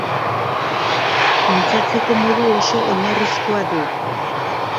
Mintzatzeko modu oso oinarrizkoa du.